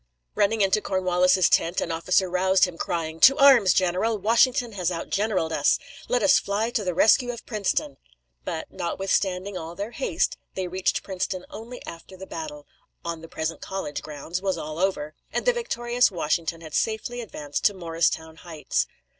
Running into Cornwallis's tent, an officer roused him, crying: "To arms, general! Washington has outgeneraled us. Let us fly to the rescue of Princeton!" But, notwithstanding all their haste, they reached Princeton only after the battle on the present college grounds was all over, and the victorious Washington had safely advanced to Mor´ris town Heights.